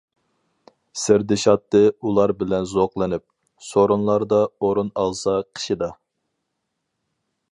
سىردىشاتتى ئۇلار بىلەن زوقلىنىپ، سورۇنلاردا ئورۇن ئالسا قېشىدا.